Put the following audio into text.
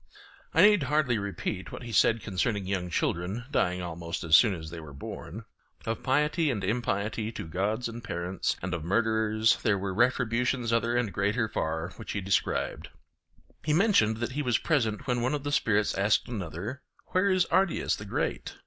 I need hardly repeat what he said concerning young children dying almost as soon as they were born. Of piety and impiety to gods and parents, and of murderers, there were retributions other and greater far which he described. He mentioned that he was present when one of the spirits asked another, 'Where is Ardiaeus the Great?